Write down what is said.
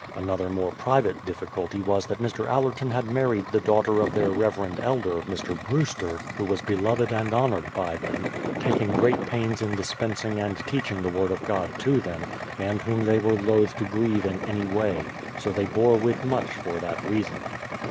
Another more private difficulty was that Mr. Allerton had married the daughter of their rever end elder, Mr. Brewster, who was beloved and honoured by them, taking great pains in dispensing and teaching the word of God to them, and whom they were loth to grieve in any way ; so they bore with much for that reason.